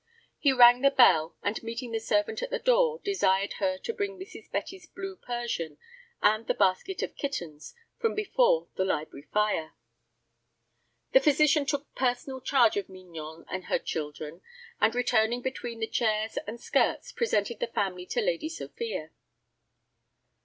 He rang the bell, and meeting the servant at the door, desired her to bring Mrs. Betty's blue Persian and the basket of kittens from before the library fire. The physician took personal charge of Mignon and her children, and returning between the chairs and skirts, presented the family to Lady Sophia.